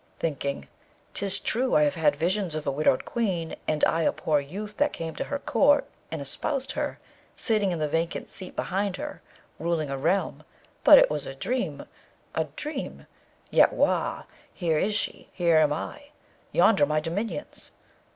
thinking, ''Tis true I have had visions of a widowed queen, and I a poor youth that came to her court, and espoused her, sitting in the vacant seat beside her, ruling a realm; but it was a dream, a dream, yet, wah! here is she, here am I, yonder my dominions!'